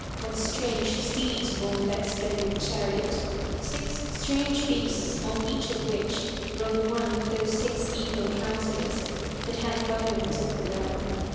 what strange steeds bore that splendid chariot — six strange beasts on each of which rode one of those six evil counsellors that had gover nance of the realm.